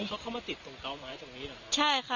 เขาเข้ามาติดตรงเกาะไม้ตรงนี้หรอครับ